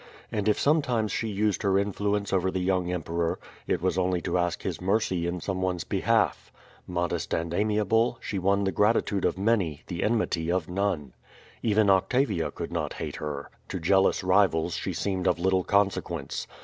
And if sometimes she used her influence over the young emperor, it was only to ask his mercy in someone's behalf. Modest and amiable, she won the gratitude of many, the enmity of none. Even Octa via could not hate her. To jealous rivals she seemed of little consequence.